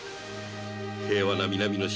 平和な南の島